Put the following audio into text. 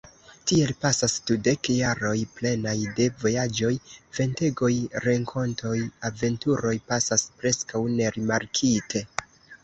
Tiel pasas dudek jaroj, plenaj de vojaĝoj, ventegoj, renkontoj, aventuroj, pasas preskaŭ nerimarkite.